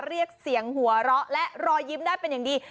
เรียกเสียงหัวเราะและรอยยิ้มได้เป็นอย่างดี